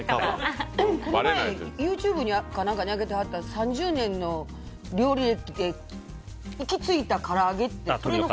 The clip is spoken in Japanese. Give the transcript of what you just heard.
この前ＹｏｕＴｕｂｅか何かに上げてはった３０年の料理で行き着いたから揚げって。